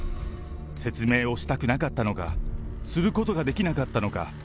説明をしたくなかったのか、することができなかったのか。